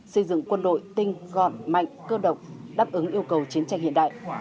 xây dựng quân đội tinh gọn mạnh cơ độc đáp ứng yêu cầu chiến tranh hiện đại